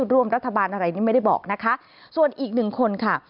ร่วมรัฐบาลอะไรนี่ไม่ได้บอกนะคะส่วนอีกหนึ่งคนค่ะ